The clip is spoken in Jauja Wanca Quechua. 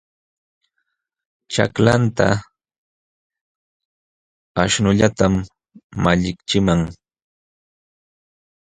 Chaklanka akśhullatam malliqchiman.